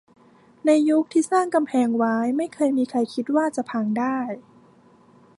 ในยุคที่สร้างกำแพงไว้ ไม่เคยมีใครคิดว่าจะพังได้